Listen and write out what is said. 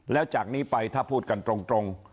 แล้วจากนี้ไปถ้าพูดกันตรง